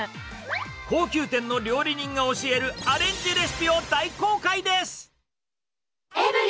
高級店の料理人が教えるアレンジレシピを大公開です。